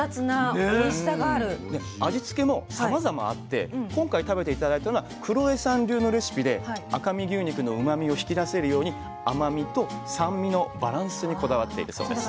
で味付けもさまざまあって今回食べて頂いたのはクロエさん流のレシピで赤身牛肉のうまみを引き出せるように甘みと酸味のバランスにこだわっているそうです。